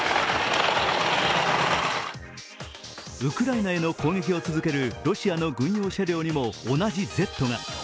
ウクライナへの攻撃を続けるロシアの軍用車両にも同じ「Ｚ」が。